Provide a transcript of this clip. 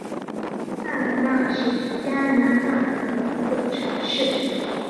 萨格奈是加拿大的一个城市。